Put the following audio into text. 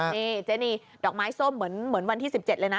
นี่เจนีดอกไม้ส้มเหมือนวันที่๑๗เลยนะ